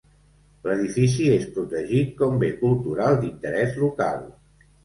L'edifici és protegit com bé cultural d'interès local.